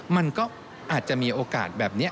มันก็อาจจะมีโอกาสแบบนี้